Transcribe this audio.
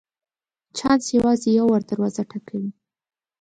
چانس یوازي یو وار دروازه ټکوي .